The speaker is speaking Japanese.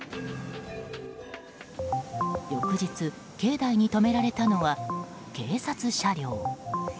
翌日、境内に止められたのは警察車両。